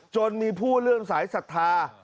จนมีผู้เลื่อมสายศรัทธา